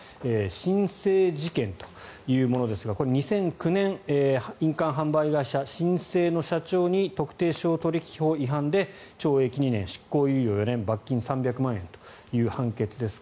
新世事件というものですが２００９年印鑑販売会社、新世の社長に特定商取引法違反で懲役２年、執行猶予４年罰金３００万円という判決です。